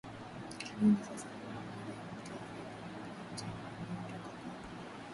ini sasa umoja wa mataifa ile riporti iliyotoka congo